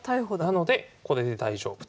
なのでこれで大丈夫と。